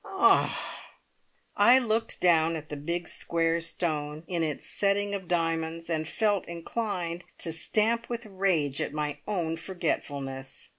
"Ah!" I looked down at the big square stone in its setting of diamonds, and felt inclined to stamp with rage at my own forgetfulness.